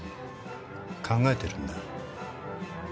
考えてるんだ